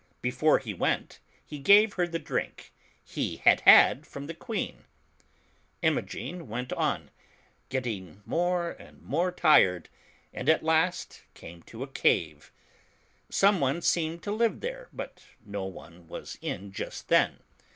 Before he went, he gave her the drink he had had from the Queen. Inv^gen went on, getting more and nlore tired, and at last came to a cave. Some on6 seemed to live there, but no one was in just then.